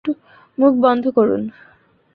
মুখ বন্ধ করুন।